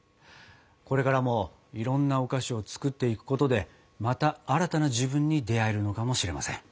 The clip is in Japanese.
これからもいろんなお菓子を作っていくことでまた新たな自分に出会えるのかもしれません。